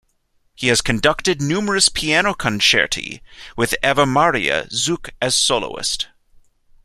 He has conducted numerous piano concerti with Eva Maria Zuk as soloist.